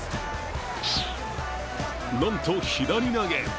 なんと左投げ。